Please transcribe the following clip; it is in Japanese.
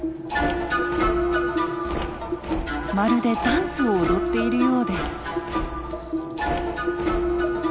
まるでダンスを踊っているようです。